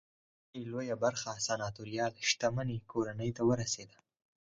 ددې شتمنۍ لویه برخه سناتوریال شتمنۍ کورنۍ ته ورسېده